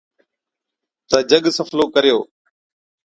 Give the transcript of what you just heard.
تہ جڳ سَڦلو ڪريو